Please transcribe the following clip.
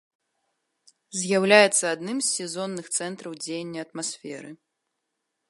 З'яўляецца адным з сезонных цэнтраў дзеяння атмасферы.